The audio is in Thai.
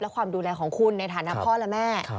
และความดูแลของคุณในฐานะพ่อและแม่